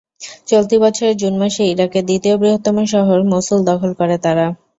চলতি বছরের জুন মাসে ইরাকের দ্বিতীয় বৃহত্তম শহর মসুল দখল করে তারা।